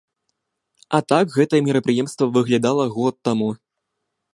А так гэтае мерапрыемства выглядала год таму.